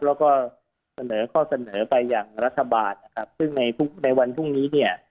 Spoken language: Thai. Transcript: แล้วก็เสนอข้อเสนอไปอย่างรัฐบาลนะครับซึ่งในทุกในวันพรุ่งนี้เนี่ย